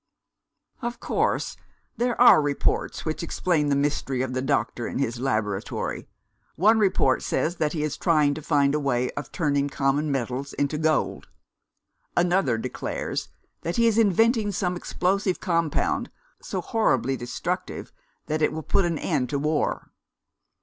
Of course there are reports which explain the mystery of the doctor and his laboratory. One report says that he is trying to find a way of turning common metals into gold. Another declares that he is inventing some explosive compound, so horribly destructive that it will put an end to war.